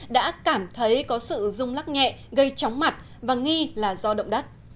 đã cảm thấy có sự rung lắc nhẹ gây chóng mặt và nghi là do động đất